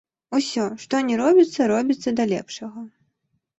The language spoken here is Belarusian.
Усё, што ні робіцца, робіцца да лепшага.